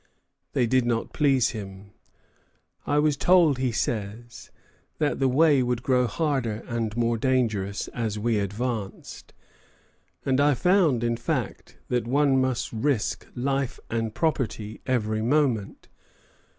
They did not please him. "I was told," he says, "that the way would grow harder and more dangerous as we advanced, and I found, in fact, that one must risk life and property every moment."